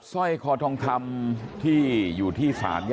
สวัสดีครับคุณผู้ชาย